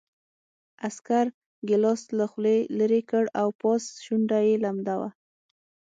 عسکر ګیلاس له خولې لېرې کړ او پاس شونډه یې لمده وه